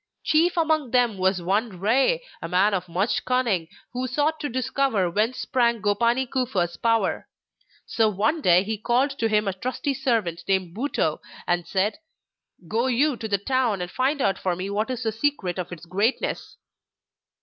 Chief among them was one Rei, a man of much cunning, who sought to discover whence sprang Gopani Kufa's power. So one day he called to him a trusty servant named Butou, and said: 'Go you to the town and find out for me what is the secret of its greatness.